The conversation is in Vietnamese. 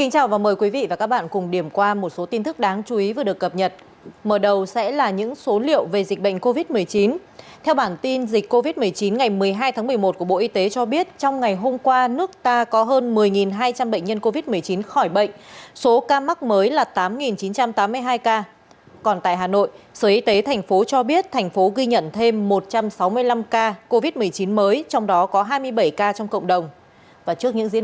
các bạn hãy đăng ký kênh để ủng hộ kênh của chúng mình nhé